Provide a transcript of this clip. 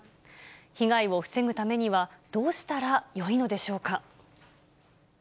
被害を防ぐためには、どうしたらよいのでしょうか。